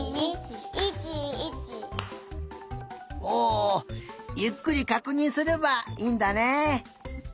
おゆっくりかくにんすればいいんだね。